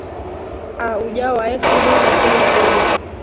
a ujao wa elfu mbili na kumi na moja